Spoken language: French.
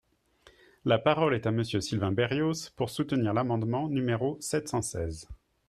La parole est à Monsieur Sylvain Berrios, pour soutenir l’amendement numéro sept cent seize.